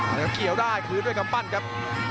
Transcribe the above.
แล้วเกี่ยวได้คืนด้วยกำปั้นครับ